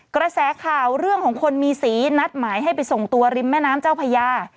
กระแสข่าวเรื่องของคนมีสีนัดหมายให้ไปส่งตัวริมแม่น้ำเจ้าพญา